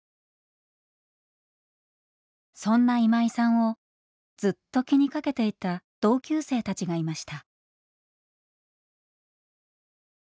そんな今井さんをずっと気にかけていた同級生たちがいました。